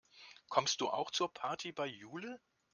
Kommst du auch zur Party bei Jule?